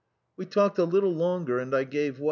We talked a little longer and I gave in.